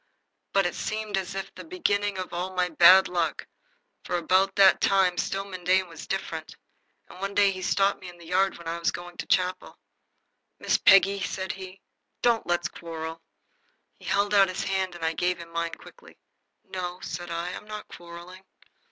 But it seemed as if that were the beginning of all my bad luck, for about that time Stillman Dane was different, and one day he stopped me in the yard when I was going to chapel. "Miss Peggy," said he, "don't let's quarrel." He held out his hand, and I gave him mine quickly. "No," said I, "I'm not quarrelling."